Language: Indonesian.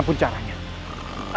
aku harus pergi dari sini